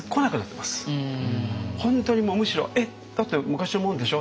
本当にむしろ「えっだって昔のもんでしょ？